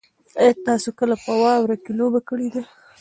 ایا تاسي کله په واوره کې لوبه کړې ده؟